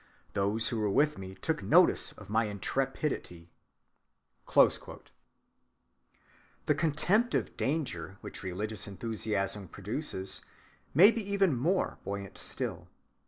Those who were with me took notice of my intrepidity."(170) The contempt of danger which religious enthusiasm produces may be even more buoyant still.